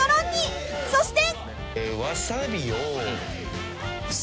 ［そして］